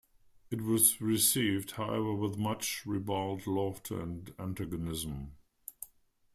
It was received however with much ribald laughter and antagonism.